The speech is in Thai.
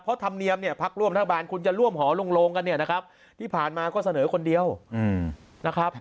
เพราะธรรมเนียมเนี่ยพักร่วมรัฐบาลคุณจะร่วมหอลงกันเนี่ยนะครับที่ผ่านมาก็เสนอคนเดียวนะครับ